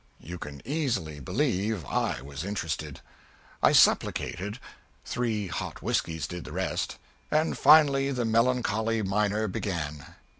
You can easily believe I was interested. I supplicated three hot whiskeys did the rest and finally the melancholy miner began.